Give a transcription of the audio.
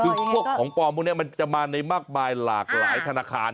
คือพวกของปลอมพวกนี้มันจะมาในมากมายหลากหลายธนาคาร